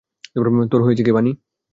তোমার হয়েছে কি, বানি?